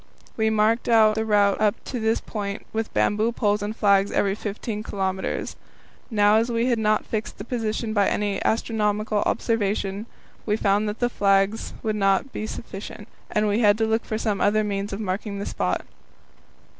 We had marked out the route up to this point with bamboo poles and flags at every 15 kilometres. Now, as we had not fixed the position by astronomical observation, we found that the flags would not be sufficient, and we had to look for some other means of marking the spot.